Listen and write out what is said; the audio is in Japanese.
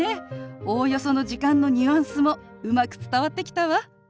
おおよその時間のニュアンスもうまく伝わってきたわ。